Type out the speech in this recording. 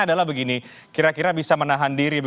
yang lain tidak itu saya kira